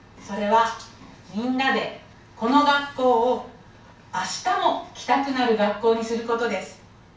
それは、みんなでこの学校をあしたも来たくなる学校にすることです。